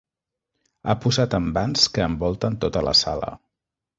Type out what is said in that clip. Ha posat envans que envolten tota la sala.